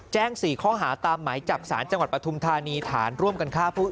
๔ข้อหาตามหมายจับสารจังหวัดปฐุมธานีฐานร่วมกันฆ่าผู้